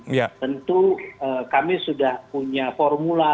dan tentu kami sudah punya formula